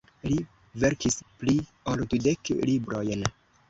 Li verkis pli ol dudek librojn.